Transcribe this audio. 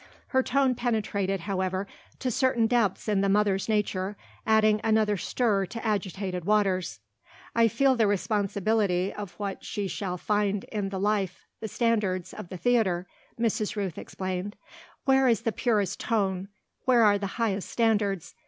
Her tone penetrated, however, to certain depths in the mother's nature, adding another stir to agitated waters. "I feel the responsibility of what she shall find in the life, the standards, of the theatre," Mrs. Rooth explained. "Where is the purest tone where are the highest standards?